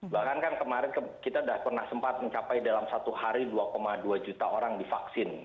bahkan kan kemarin kita sudah pernah sempat mencapai dalam satu hari dua dua juta orang divaksin